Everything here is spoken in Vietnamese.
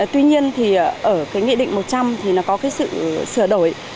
tuy nhiên ở nghị định một trăm linh có sự sửa đổi